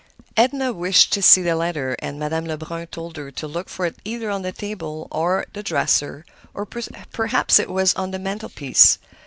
Edna wished to see the letter, and Madame Lebrun told her to look for it either on the table or the dresser, or perhaps it was on the mantelpiece.